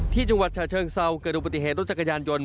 ที่จังหวัดฉะเชิงเซาเกิดอุบัติเหตุรถจักรยานยนต์